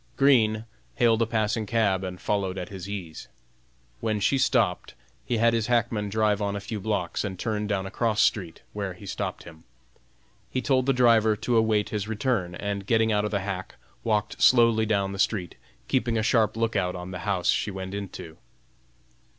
Green hailed a passing cab and followed at his ease. When she stopped, he had his hackman drive on a few blocks and turn down a cross street, where he stopped him. He told the driver to await his return, and getting out of the hack, walked slowly down the street, keeping a sharp lookout on the house she went into.